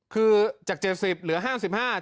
คือจาก๗๐บาทเหลือ๕๕บาท